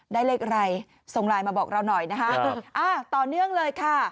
ได้เลขอะไรส่งไลน์มาบอกเราหน่อยนะคะอ่าต่อเนื่องเลยค่ะ